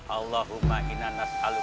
allahumma inna naskalu bi'a